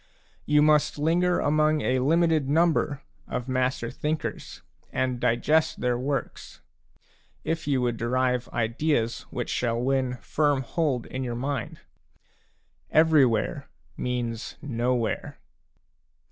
You must linger among a limited number of master thinkers, and digest their works, if you would derive ideas which shall win firm hold in your mind. Every where means nowhere.